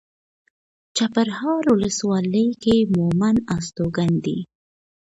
چپرهار ولسوالۍ کې مومند استوګن دي.